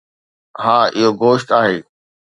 ها، اهو گوشت آهي